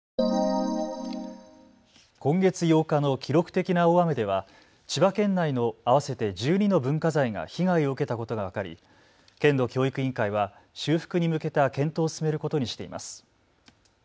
今月８日の記録的な大雨では千葉県内の合わせて１２の文化財が被害を受けたことが分かり、県の教育委員会は修復に向けた検討を進めることにしています。